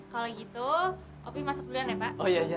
kalau gitu opi masuk belian ya pak